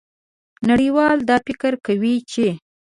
نړیوال دا فکر کوي چې